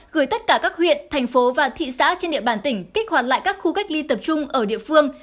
gửi tất cả các huyện thành phố và thị xã trên địa bàn tỉnh kích hoạt lại các khu cách ly tập trung ở địa phương